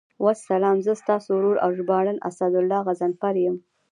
والسلام، زه ستاسو ورور او ژباړن اسدالله غضنفر یم.